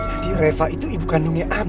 jadi reva itu ibu kandungnya ami